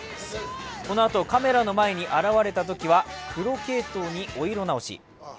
このあとカメラの前に現れたときには黒系統にお色直し。